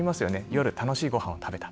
夜、楽しいごはんを食べた。